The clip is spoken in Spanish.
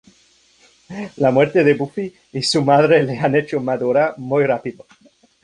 La muerte de Buffy y de su madre le han hecho madurar muy rápido.